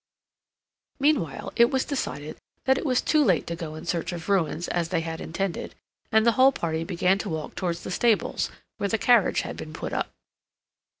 Meanwhile, it was decided that it was too late to go in search of ruins as they had intended; and the whole party began to walk towards the stables where the carriage had been put up.